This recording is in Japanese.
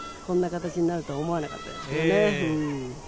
こんな形になると思わなかったですね。